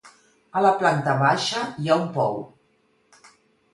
A la planta baixa hi ha un pou.